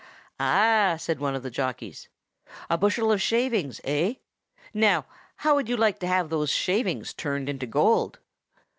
"Ah!" said one of the jockeys. "A bushel of shavings, eh? Now, how would you like to have those shavings turned into gold?"